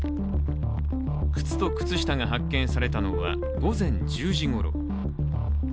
靴と靴下が発見されたのは午前１０時ごろ。